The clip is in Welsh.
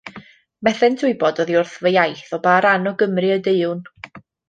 Methent wybod oddi wrth fy iaith o ba ran o Gymru y deuwn.